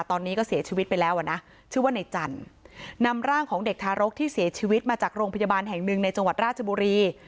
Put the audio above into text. ตอนนี้ก็เสียชีวิตไปแล้วอ่ะนะชื่อว่าในจันทร์นำร่างของเด็กทารกที่เสียชีวิตมาจากโรงพยาบาลแห่งหนึ่งในจังหวัดราชบุรี